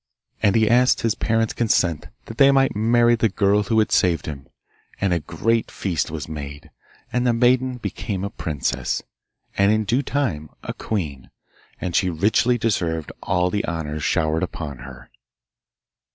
And he asked his parents' consent that he might marry the girl who had saved him, and a great feast was made, and the maiden became a princess, and in due time a queen, and she richly deserved all the honours showered upon her.